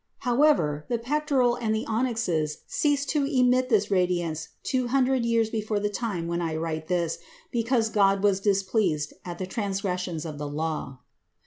However, the pectoral and the onyxes ceased to emit this radiance two hundred years before the time when I write this, because God was displeased at the transgressions of the Law.